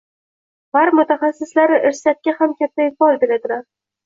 G‘arb mutaxassislari irsiyatga ham katta eʼtibor beradilar.